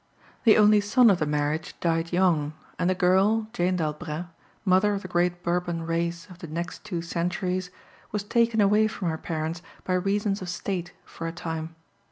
The only son of the marriage died young, and a girl, Jane d'Albret, mother of the great Bourbon race of the next two centuries, was taken away from her parents by "reasons of state" for a time.